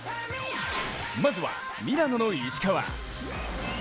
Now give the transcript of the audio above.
まずは、ミラノの石川。